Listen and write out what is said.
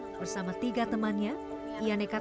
bersama tiga temannya ia nekat dengan mereka